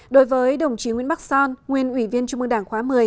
đối với đồng chí nguyễn bắc son nguyên ủy viên trung mương đảng khóa một mươi